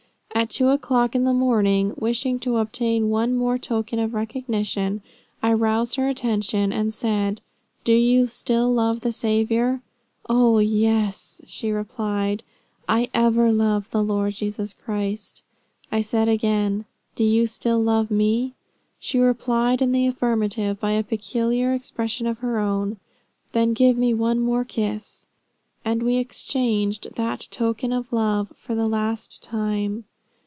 At two o'clock in the morning, wishing to obtain one more token of recognition, I roused her attention and said, 'Do you still love the Saviour?' 'O yes,' she replied, 'I ever love the Lord Jesus Christ.' I said again, 'Do you still love me?' She replied in the affirmative, by a peculiar expression of her own. 'Then give me one more kiss;' and we exchanged that token of love for the last time.